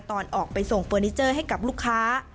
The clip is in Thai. ตอนออกไปส่งเฟอร์นิเจอร์ให้กับลูกค้า